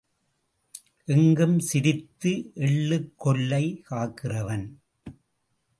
எங்கும் சிரித்து எள்ளுக் கொல்லை காக்கிறவன்.